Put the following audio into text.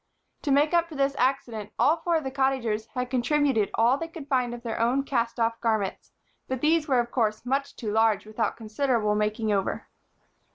To make up for this accident, all four of the Cottagers had contributed all they could find of their own cast off garments; but these of course were much too large without considerable making over.